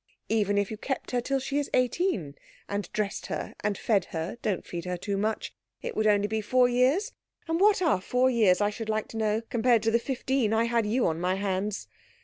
Even if you kept her till she is eighteen, and dressed her and fed her (don't feed her too much), it would only be four years; and what are four years I should like to know, compared to the fifteen I had you on my hands?